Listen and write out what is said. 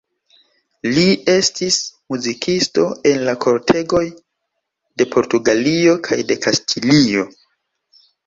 Li estis muzikisto en la kortegoj de Portugalio kaj de Kastilio.